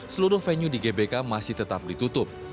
seluruh venue di gbk masih tetap ditutup